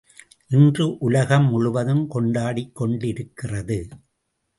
இன்று உலகம் முழுதும் கொண்டாடிக் கொண்டிருக்கிறது.